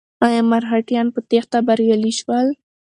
ایا مرهټیان په تېښته بریالي شول؟